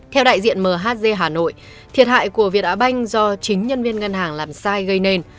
theo đại diện mhz hà nội thiệt hại của việt á banh do chính nhân viên ngân hàng làm sai gây nên